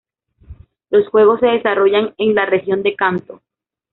Los juegos se desarrollan en la región de Kanto.